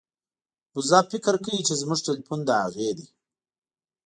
وزه فکر کوي چې زموږ ټیلیفون د هغې دی.